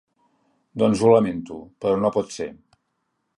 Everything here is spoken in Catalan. Doncs, ho lamento, però no pot ser!